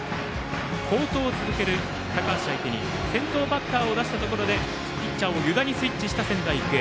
好投を続ける高橋相手に先頭バッターを出したところでピッチャーを湯田にスイッチした仙台育英。